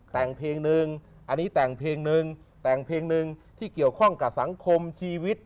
แต่งเพลงนึงอันนี้แต่งเพลงนึงแต่งเพลงหนึ่งที่เกี่ยวข้องกับสังคมชีวิต